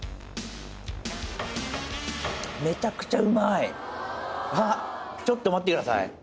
うわっちょっと待ってください。